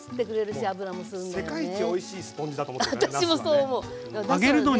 世界一おいしいスポンジだと思ってるなすはね。